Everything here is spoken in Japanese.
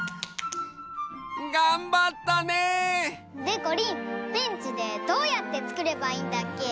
がんばったね！でこりんペンチでどうやってつくればいいんだっけ？